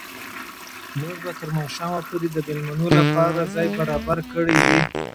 موږ به تر ماښامه پورې د مېلمنو لپاره ځای برابر کړی وي.